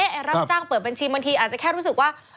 รับจ้างเปิดบัญชีบางทีอาจจะแค่รู้สึกว่า